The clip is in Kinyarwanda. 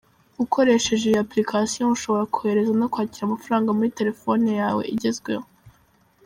Ukoresheje iyi application ushobora kohereza no kwakira amafaranga na telefoni yawe igezweho.